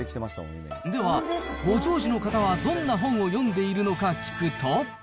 では、ご長寿の方はどんな本を読んでいるのか聞くと。